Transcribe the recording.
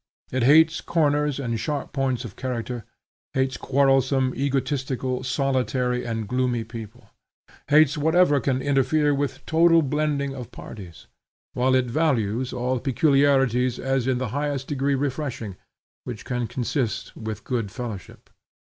It hates corners and sharp points of character, hates quarrelsome, egotistical, solitary, and gloomy people; hates whatever can interfere with total blending of parties; whilst it values all peculiarities as in the highest degree refreshing, which can consist with good fellowship.